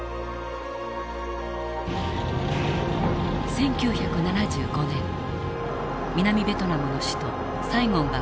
１９７５年南ベトナムの首都サイゴンが陥落した。